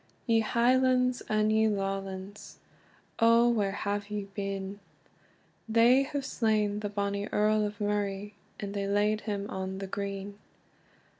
YE Highlands, and ye Lawlands Oh where have you been? They have slain the Earl of Murray, And they layd him on the green.